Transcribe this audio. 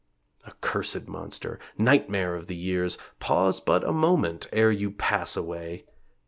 Accursed Monster nightmare of the years Pause but a moment ere you pass away!